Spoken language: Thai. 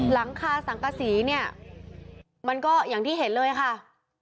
หลังคาสังกษีเนี่ยมันก็อย่างที่เห็นเลยค่ะ